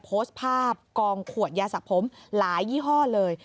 โพสต์ภาพกองขวดยาสักผมหลายยี่ห้อเลย